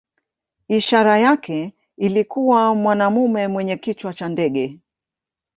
Ishara yake ilikuwa mwanamume mwenye kichwa cha ndege.